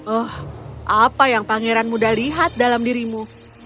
oh apa yang pangeran muda lihat dalam dirimu